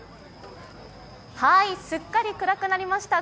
すっかり暗くなりました。